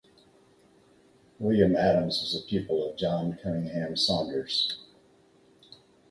William Adams was a pupil of John Cunningham Saunders.